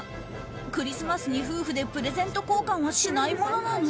クリスマスに夫婦でプレゼント交換はしないものなの？